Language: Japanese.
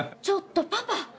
ちょっとパパ！